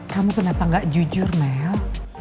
kamu kenapa gak jujur mel